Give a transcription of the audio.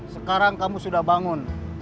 sekarang kamu sudah bangun